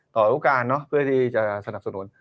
ต่อทุกอันเพื่อที่จะสนับสนุน